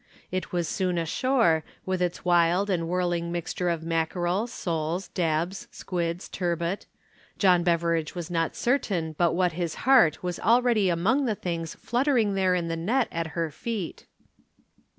It was soon ashore, with its wild and whirling mixture of mackerel, soles, dabs, squids, turbot John Beveridge was not certain but what his heart was already among the things fluttering there in the net at her feet.